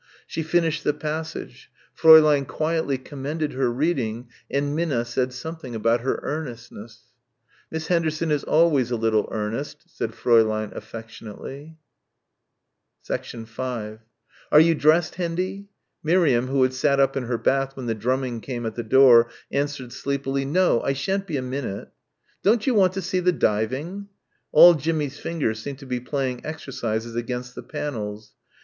She finished the passage Fräulein quietly commended her reading and Minna said something about her earnestness. "Miss Henderson is always a little earnest," said Fräulein affectionately. 5 "Are you dressed, Hendy?" Miriam, who had sat up in her bath when the drumming came at the door, answered sleepily, "No, I shan't be a minute." "Don't you want to see the diving?" All Jimmie's fingers seemed to be playing exercises against the panels.